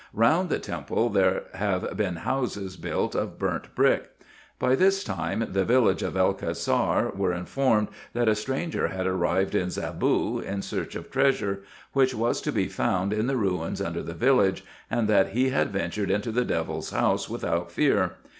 Eound the temple there have been houses built of burnt brick. By this time the village of El Cassar were informed that a stranger had arrived in Zaboo, in search of treasure, which was to be found in the ruins under the village, and that he had ventured into the devil's house without fear.